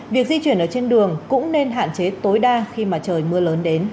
việc di chuyển ở trên đường cũng nên hạn chế tối đa khi mà trời mưa lớn đến